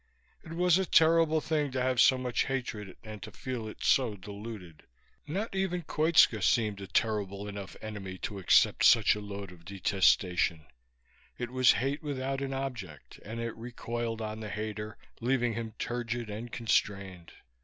It was a terrible thing to have so much hatred and to feel it so diluted. Not even Koitska seemed a terrible enough enemy to accept such a load of detestation; it was hate without an object, and it recoiled on the hater, leaving him turgid and constrained.